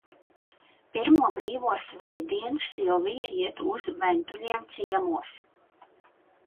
Pirmo brīvo svētdienu Silvija iet uz Ventuļiem ciemos.